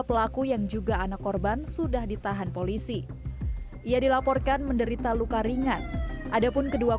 pelaku yang juga anak korban sudah ditahan polisi ia dilaporkan menderita luka ringan adapun kedua